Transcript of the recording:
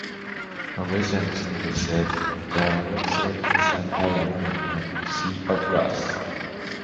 A resident recently said, Darrouzett is an island in a sea of grass.